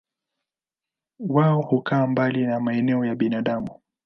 Wao hukaa mbali na maeneo ya binadamu.